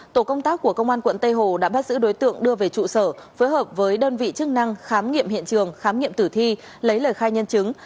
tổ công tác của công an quận tây hồ đã bắt giữ đối tượng đưa về trụ sở phối hợp với đơn vị chức năng khám nghiệm hiện trường khám nghiệm tử thi lấy lời khai nhân chứng